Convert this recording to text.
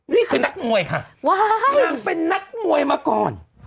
นี่คือนักมวยค่ะนางเป็นนักมวยมาก่อน